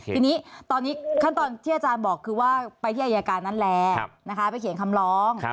ทีนี้ตอนนี้ขั้นตอนที่อาจารย์บอกคือว่าไปที่อายการนั้นแล้วไปเขียนคำร้อง